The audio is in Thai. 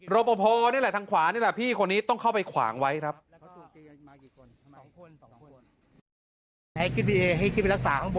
ปภนี่แหละทางขวานี่แหละพี่คนนี้ต้องเข้าไปขวางไว้ครับ